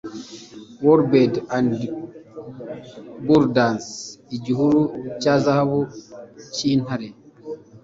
whalebed and bulldance, igihuru cya zahabu cyintare